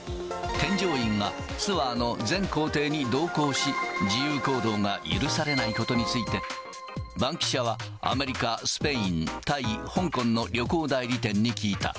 添乗員がツアーの全行程に同行し、自由行動が許されないことについて、バンキシャは、アメリカ、スペイン、タイ、香港の旅行代理店に聞いた。